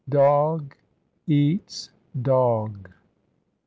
DOG EATS DOG.